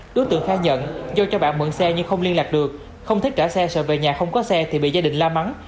đối tượng khai nhận do cho bạn mượn xe nhưng không liên lạc được không thích trả xe sợ về nhà không có xe thì bị gia đình lo lắng